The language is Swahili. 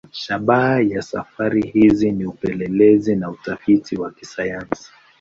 Shabaha ya safari hizi ni upelelezi na utafiti wa kisayansi.